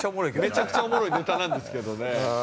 めちゃくちゃおもろいネタなんですけどね。